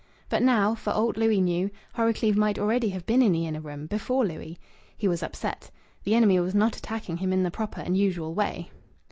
But, now, for aught Louis knew, Horrocleave might already have been in the inner room, before Louis. He was upset. The enemy was not attacking him in the proper and usual way.